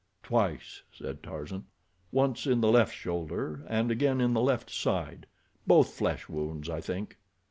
"Twice," said Tarzan. "Once in the left shoulder, and again in the left side—both flesh wounds, I think."